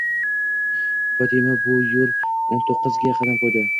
Fotima bu yil o'n to'qqizga qadam ko'ydi.